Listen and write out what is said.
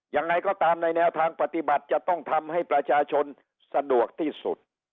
ยังไงก็ตามในแนวทางปฏิบัติจะต้องทำให้ประชาชนสะดวกที่สุด